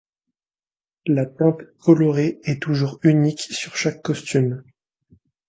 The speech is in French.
La teinte colorée est toujours unique sur chaque costume.